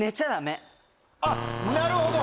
あっなるほど。